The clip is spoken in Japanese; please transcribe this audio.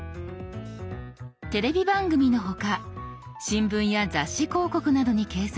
テレビ番組の他新聞や雑誌広告などに掲載されている